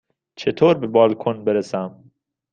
چطور به بالکن برسم؟